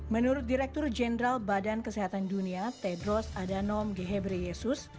menurut direktur jenderal badan kesehatan dunia tedros adhanom ghebreyesus